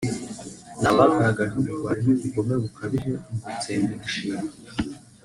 Ni abagaragaje ubugwari n’ubugome bukabije mu gutsemba umushinga